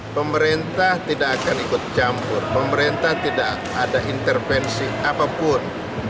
pemerintah tidak akan ikut campur pemerintah tidak ada intervensi apapun